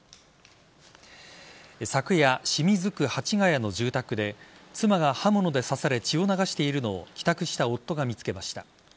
昨夜、清水区蜂ヶ谷の住宅で妻が刃物で刺され血を流しているのを帰宅した夫が見つけました。